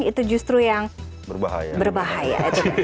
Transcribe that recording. itu justru yang berbahaya